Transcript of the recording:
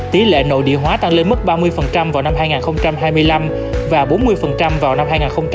tỷ lệ nội địa hóa tăng lên mức ba mươi vào năm hai nghìn hai mươi năm và bốn mươi vào năm hai nghìn hai mươi